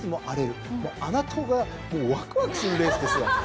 もう穴党がワクワクするレースですよ。